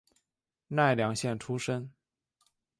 奈良县出身。